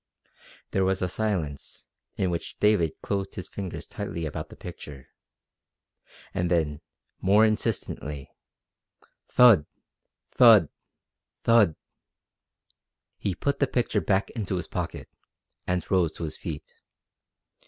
_ There was a silence, in which David closed his fingers tightly about the picture. And then, more insistently: Thud! Thud! Thud! He put the picture back into his pocket, and rose to his feet.